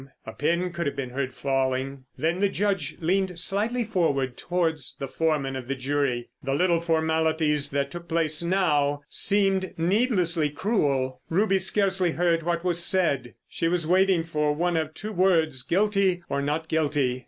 A pin could have been heard fall. Then the Judge leaned slightly forward towards the Foreman of the Jury. The little formalities that took place now seemed needlessly cruel. Ruby scarcely heard what was said—she was waiting for one of two words: Guilty, or Not Guilty!